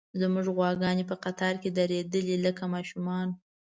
زموږ غواګانې په قطار کې درېدلې، لکه ماشومان.